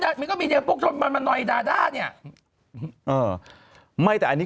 ใช่มันก็มีเดี๋ยวพวกชนมันมานอยดาด้าเนี่ยเออไม่แต่อันนี้